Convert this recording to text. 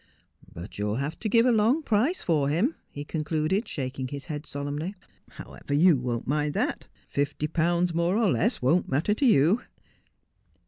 ' But you'll have to give a long price for him,' he concluded, shaking his head solemnly. 'However, you won't mind that. Ififty pounds more or less won't matter to you.'